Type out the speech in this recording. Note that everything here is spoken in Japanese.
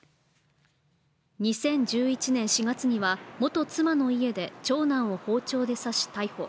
２０１１年４月には、元妻の家で長男を包丁で刺し、逮捕。